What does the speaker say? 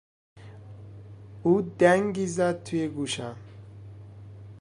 او دنگی زد تو گوشم!